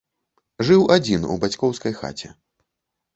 Жыў адзін у бацькоўскай хаце.